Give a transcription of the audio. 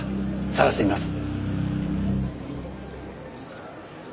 捜してみます。